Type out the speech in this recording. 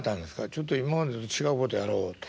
ちょっと今までと違うことやろうと。